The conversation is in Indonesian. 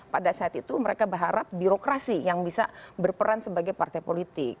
pada saat itu mereka berharap birokrasi yang bisa berperan sebagai partai politik